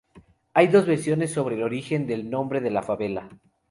Hay dos versiones sobre el origen del nombre de la favela.